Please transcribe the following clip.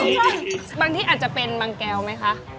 มันบางที่อาจจะเป็นบางแก๊วแม่คะ